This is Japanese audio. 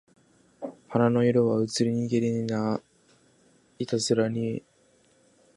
花の色はうつりにけりないたづらにわが身世にふるながめせしまに